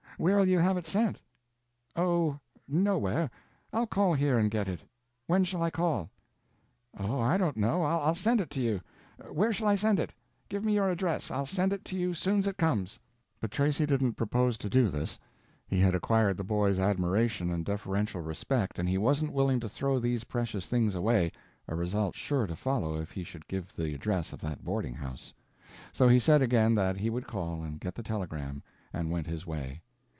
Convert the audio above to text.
Where'll you have it sent?" "Oh, nowhere. I'll call here and get it. When shall I call?" "Oh, I don't know—I'll send it to you. Where shall I send it? Give me your address; I'll send it to you soon's it comes." But Tracy didn't propose to do this. He had acquired the boy's admiration and deferential respect, and he wasn't willing to throw these precious things away, a result sure to follow if he should give the address of that boarding house. So he said again that he would call and get the telegram, and went his way.